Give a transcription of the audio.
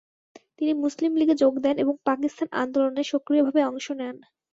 তিনি মুসলিম লীগে যোগ দেন এবং পাকিস্তান আন্দোলনে সক্রিয়ভাবে অংশ নেন।